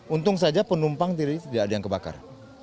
untung saja penumpang tidak ada yang kebakar